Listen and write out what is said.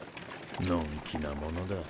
のんきなものだ。